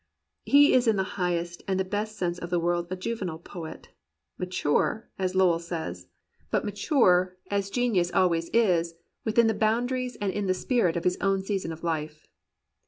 He is in the highest and best sense of the word a juvenile poet — "mature," as Lowell says, but 175 COMPANIONABLE BOOKS mature, as genius always is, within the boundaries and in the spirit of his own season of Hfe.